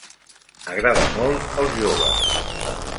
Agrada molt als joves.